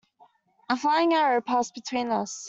A flying arrow passed between us.